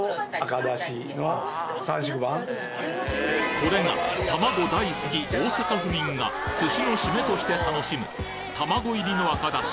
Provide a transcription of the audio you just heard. これが玉子大好き大阪府民が寿司のシメとして楽しむ玉子入りの赤だし